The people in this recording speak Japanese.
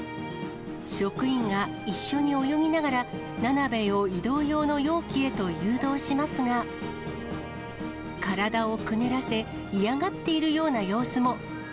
職員が一緒に泳ぎながら、ナナベエを移動用の容器へと誘導しますが、体をくねらせ、嫌がっているような様子も。